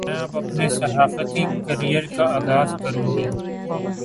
میں اب اپنے صحافتی کیریئر کا دوبارہ آغاز کرونگی